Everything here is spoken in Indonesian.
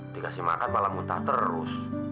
dikasih makan malah muntah terus